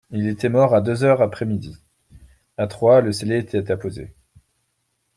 Il était mort à deux heures après midi ; à trois, le scellé était apposé.